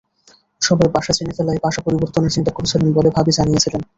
সবাই বাসা চিনে ফেলায় বাসা পরিবর্তনের চিন্তা করছিলেন বলে ভাবি জানিয়েছিলেন।